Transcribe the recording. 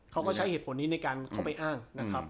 เขาก็ใช้เหตุผลนี้ในการเข้าไปอ้างนะครับ